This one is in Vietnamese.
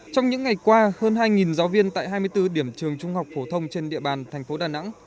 trong những ngày qua hơn hai giáo viên tại hai mươi bốn điểm trường trung học phổ thông trên địa bàn thành phố đà nẵng